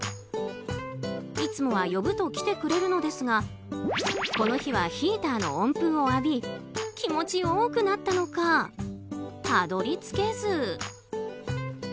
いつもは呼ぶと来てくれるのですがこの日はヒーターの温風を浴び気持ちよくなったのかたどり着けず。